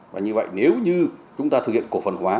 và như vậy nếu như chúng ta thực hiện cổ phần hóa